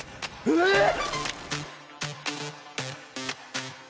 えっ！？